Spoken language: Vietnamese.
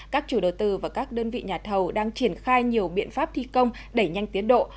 các chủ đầu tư và các đơn vị nhà thầu đang triển khai nhiều biện pháp thi công đẩy nhanh tiến độ